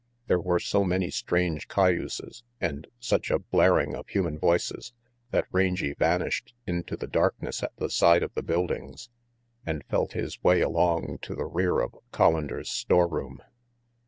There were so many strange cayuses and such a blaring of human voices that Rangy vanished into the darkness at the side of the buildings and felt his way along to the rear of Collander's storeroom.